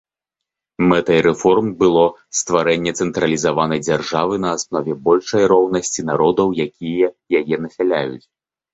Мэтай рэформ было стварэнне цэнтралізаванай дзяржавы на аснове большай роўнасці народаў, якія яе насяляюць.